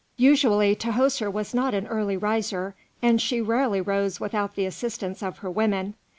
Usually Tahoser was not an early riser, and she rarely rose without the assistance of her women.